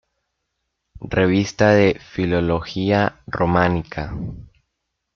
Revista de Filología Románica.